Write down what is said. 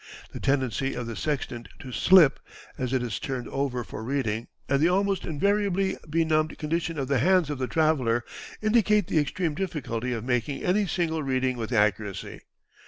The tendency of the sextant to "slip," as it is turned over for reading, and the almost invariably benumbed condition of the hands of the traveller, indicate the extreme difficulty of making any single reading with accuracy.